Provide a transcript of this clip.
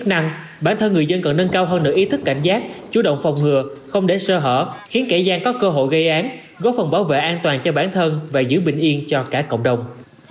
bản thân người dân cần nâng cao hơn nửa ý thức cảnh giác chú động phòng ngừa không để sơ hở khiến kẻ gian có cơ hội gây án góp phần bảo vệ an toàn cho bản thân và giữ bình yên cho cả cộng đồng